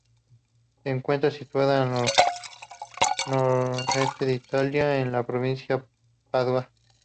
Se encuentra situada en el nordeste de Italia, en la provincia de Padua.